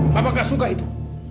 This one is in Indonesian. bapak gak suka itu